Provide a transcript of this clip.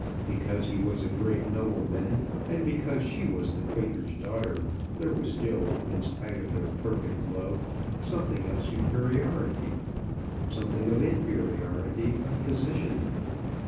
Because he was a great nobleman, and because she was the Quaker's daughter, there was still, in spite of their perfect love, something of superiority, something of inferiority of position.